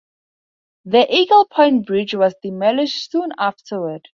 The Eagle Point Bridge was demolished soon afterward.